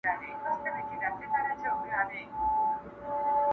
• خدایه هیله مي شاعره کړې ارمان راته شاعر کړې,